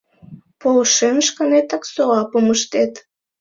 Полшен, шканетак суапым ыштет.